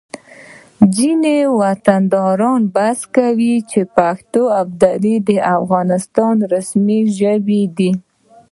ځینې وطنداران بحث کوي چې پښتو او دري د افغانستان رسمي ژبې دي